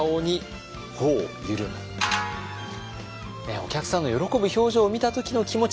お客さんの喜ぶ表情を見た時の気持ち。